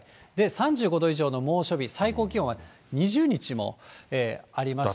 ３５度以上の猛暑日、最高気温は２０日もありまして。